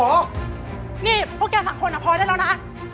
นี่พวกแกสองคนพอได้แล้วนะ